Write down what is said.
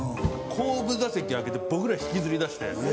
後部座席開けて僕ら引きずり出して。